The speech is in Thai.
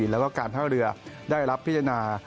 แล้วก็การท่าเรือได้รับพิจารณา